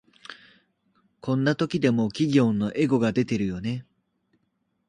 こんな時でも企業のエゴが出てるよね